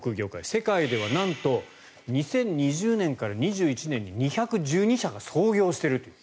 世界ではなんと２０２０年から２０２１年に２１２社が創業していると。